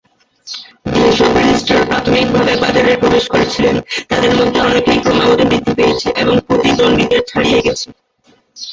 যেসব রেজিস্ট্রার প্রাথমিকভাবে বাজারে প্রবেশ করেছিলেন তাদের মধ্যে অনেকেই ক্রমাগত বৃদ্ধি পেয়েছে এবং প্রতিদ্বন্দ্বীদের ছাড়িয়ে গেছে।